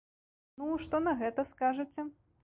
Ну, што на гэта скажаце?